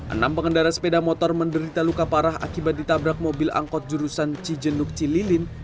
enam pengendara sepeda motor menderita luka parah akibat ditabrak mobil angkot jurusan cijenuk cililin